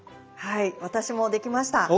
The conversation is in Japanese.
はい私もできました。